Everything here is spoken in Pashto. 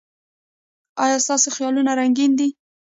ایا ستاسو خیالونه رنګین دي؟